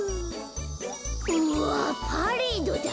うわっパレードだ。